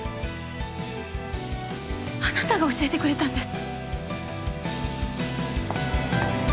あなたが教えてくれたんです。